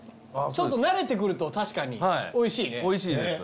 ちょっと慣れてくると確かにおいしいね。